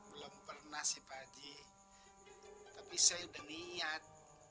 belum pernah sih pak haji tapi saya udah niat